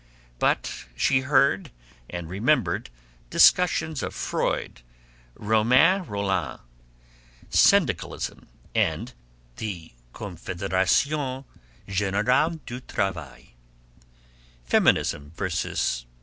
But she heard and remembered discussions of Freud, Romain Rolland, syndicalism, the Confederation Generale du Travail, feminism vs.